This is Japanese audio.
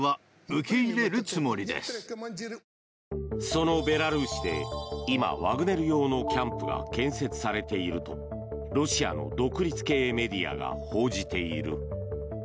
そのベラルーシで今ワグネル用のキャンプが建設されているとロシアの独立系メディアが報じている。